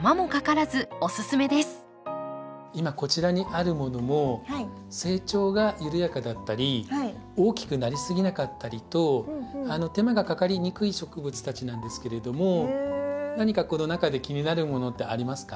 今こちらにあるものも成長が緩やかだったり大きくなりすぎなかったりと手間がかかりにくい植物たちなんですけれども何かこの中で気になるものってありますか？